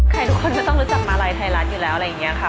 ใครทุกคนไม่ต้องรู้จักมาลัยไทยรัฐอยู่แล้วอะไรอย่างนี้ค่ะ